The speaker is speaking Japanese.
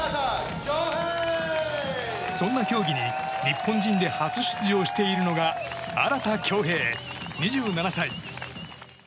そんな競技に日本人で初出場しているのが荒田恭兵、２７歳。